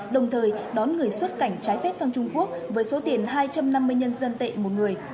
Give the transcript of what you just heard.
đồng thời đón người xuất cảnh trái phép sang trung quốc với số tiền hai trăm năm mươi nhân dân tệ một người